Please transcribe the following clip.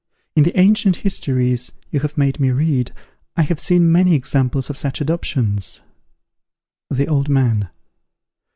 In the ancient histories, you have made me read, I have seen many examples of such adoptions. _The Old Man.